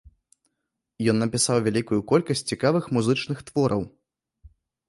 Ён напісаў вялікую колькасць цікавых музычных твораў.